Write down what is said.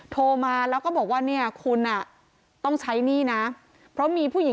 โทรมาแล้วก็บอกว่าเนี่ยคุณอ่ะต้องใช้หนี้นะเพราะมีผู้หญิง